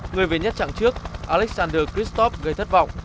người về nhất trạng trước alexander kristoff gây thất vọng